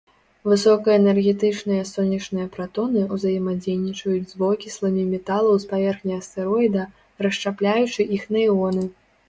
Высокаэнергетычныя сонечныя пратоны ўзаемадзейнічаюць з вокісламі металаў з паверхні астэроіда, расшчапляючы іх на іоны.